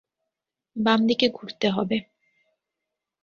বামদিকে ঘুরতে হবে।